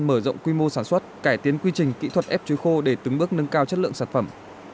mở rộng quy mô sản xuất cải tiến quy trình kỹ thuật ép chuối khô để từng bước nâng cao chất lượng sản phẩm